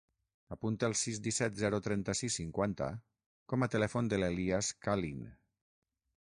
Apunta el sis, disset, zero, trenta-sis, cinquanta com a telèfon de l'Elías Calin.